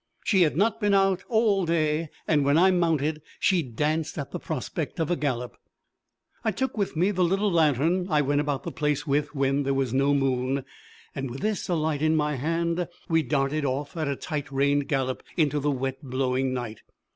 She had not been out all day, and when I mounted, she danced at the prospect of a gallop. I took with me the little lantern I went about the place with when there was no moon, and with this alight in my hand, we darted off at a tight reined gallop into the wet blowing night.